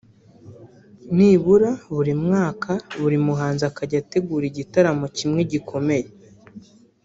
nibura buri mwaka buri muhanzi akajya ategura igitaramo kimwe gikomeye